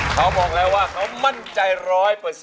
เขาบอกแล้วว่าเขามั่นใจร้อยเปอร์เซ็นต์นะครับ